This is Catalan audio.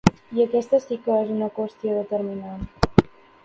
I aquesta sí que és una qüestió determinant.